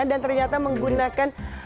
dan ternyata menggunakan